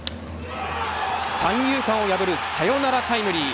三遊間を破るサヨナラタイムリー。